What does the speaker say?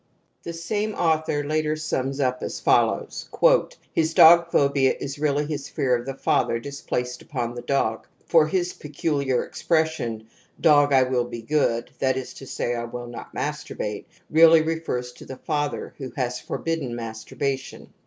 The same author later sums up as follows :" His dog phobia is really his fear of the father displaced upon the dog, for his pecuUar expres sion :' Dog, I will be good '^— that is to say, I will not masturbate — really refers to the father who has forbidden masturbation."